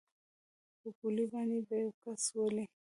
په ګولۍ باندې به يو کس ولې.